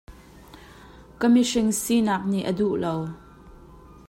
Ka mihring sinak nih a duh lo.